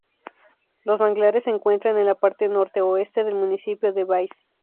Los manglares se encuentran en la parte norte-oeste del municipio de Vice.